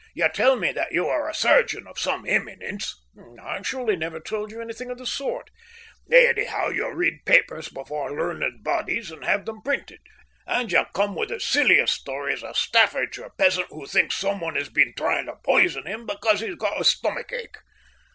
You tell me that you are a surgeon of some eminence …" "I surely told you nothing of the sort." "Anyhow, you read papers before learned bodies and have them printed. And you come with as silly a story as a Staffordshire peasant who thinks someone has been trying to poison him because he's got a stomach ache.